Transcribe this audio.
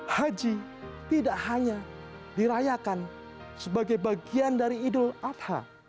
haji tidak hanya dirayakan sebagai bagian dari idul adha